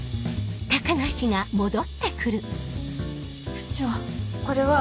部長これはその。